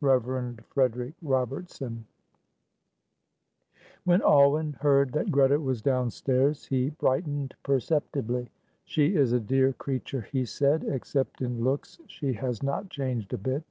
Rev. Frederick Robertson. When Alwyn heard that Greta was downstairs, he brightened perceptibly. "She is a dear creature," he said; "except in looks she has not changed a bit.